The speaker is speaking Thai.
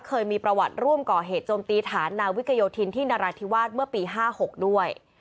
เคยมีประวัติร่วมก่อเหตุโจมตีฐานนาวิกโยธินที่นราธิวาสเมื่อปี๕๖ด้วย